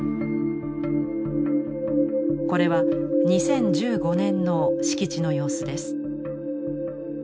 これは２０１５年の敷地の様子です。